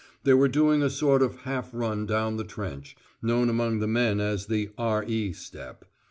They were doing a sort of half run down the trench, known among the men as the "R.E. step."